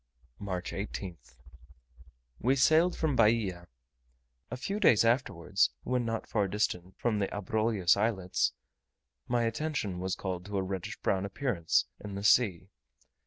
March 18th. We sailed from Bahia. A few days afterwards, when not far distant from the Abrolhos Islets, my attention was called to a reddish brown appearance in the sea.